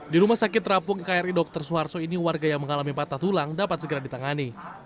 di rumah sakit terapung kri dr suharto ini warga yang mengalami patah tulang dapat segera ditangani